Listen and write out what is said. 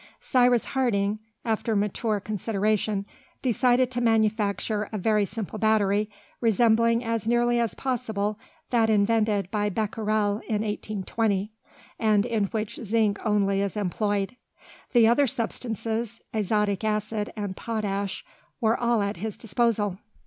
Cyrus Harding, after mature consideration, decided to manufacture a very simple battery, resembling as nearly as possible that invented by Becquerel in 1820, and in which zinc only is employed. The other substances, azotic acid and potash, were all at his disposal.